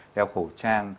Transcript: đeo khẩu trang